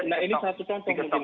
nah ini satu contoh